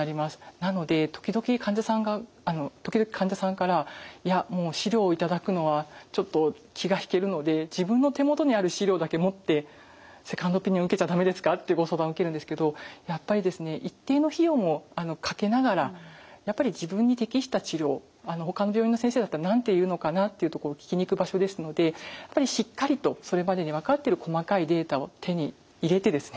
なので時々患者さんからいやもう資料を頂くのはちょっと気が引けるので自分の手元にある資料だけ持ってセカンドオピニオン受けちゃ駄目ですかってご相談受けるんですけどやっぱり一定の費用もかけながらやっぱり自分に適した治療ほかの病院の先生だったら何て言うのかなっていうところを聞きに行く場所ですのでしっかりとそれまでに分かってる細かいデータを手に入れてですね